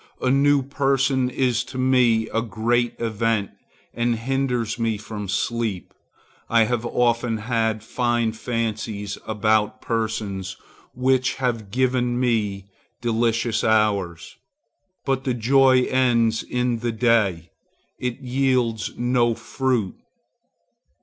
A new person is to me a great event and hinders me from sleep. I have often had fine fancies about persons which have given me delicious hours; but the joy ends in the day; it yields no fruit.